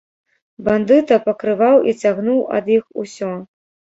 Бандыта пакрываў і цягнуў ад іх усё.